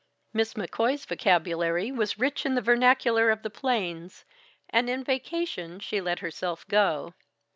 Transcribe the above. Miss McCoy's vocabulary was rich in the vernacular of the plains, and in vacation she let herself go.